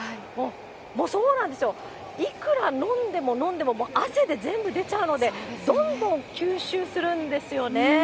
もう、いくら飲んでも飲んでも汗で全部出ちゃうので、どんどん吸収するんですよね。